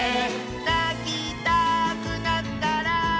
「なきたくなったら」